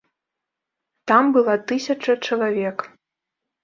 Там была тысяча чалавек.